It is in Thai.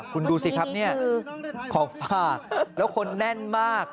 คุณดูสิครับเนี่ยของฝากแล้วคนแน่นมาก